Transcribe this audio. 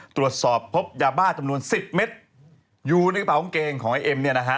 ตรวจสอบพบยาบ้าจำนวนสิบเมตรอยู่ในกระเป๋ากางเกงของไอ้เอ็มเนี่ยนะฮะ